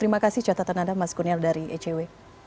terima kasih catatan anda mas kurnia dari ecw